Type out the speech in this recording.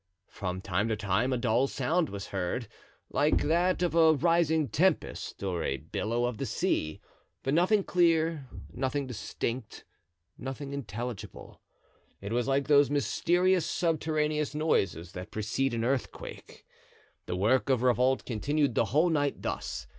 From time to time a dull sound was heard, like that of a rising tempest or a billow of the sea; but nothing clear, nothing distinct, nothing intelligible; it was like those mysterious subterraneous noises that precede an earthquake. The work of revolt continued the whole night thus.